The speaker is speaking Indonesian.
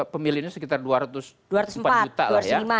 pemilihnya sekitar dua ratus empat juta lah ya